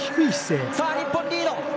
日本リード！